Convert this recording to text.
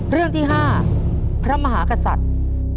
เรื่องที่๕พระมหากษัตริย์